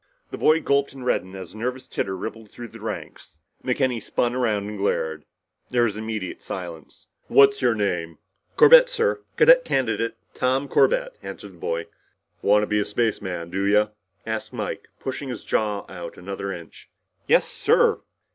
The boy gulped and reddened as a nervous titter rippled through the ranks. McKenny spun around and glared. There was immediate silence. "What's your name?" He turned back to the boy. "Corbett, sir. Cadet Candidate Tom Corbett," answered the boy. "Wanta be a spaceman, do ya?" asked Mike, pushing his jaw out another inch. "Yes, sir!"